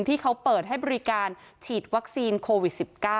ที่เขาเปิดให้บริการฉีดวัคซีนโควิด๑๙